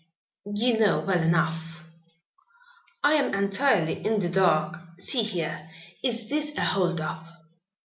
"You know well enough." "I am entirely in the dark. See here, is this a hold up?"